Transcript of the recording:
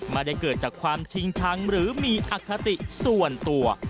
ไม่ได้เกิดจากความชิงชังหรือมีอคติส่วนตัว